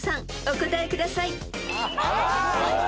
お答えください］